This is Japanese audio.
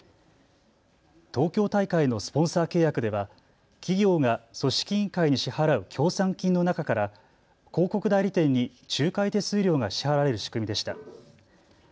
東京大会のスポンサー契約では企業が組織委員会に支払う協賛金の中から広告代理店に仲介手数料が支払われる仕組みでした。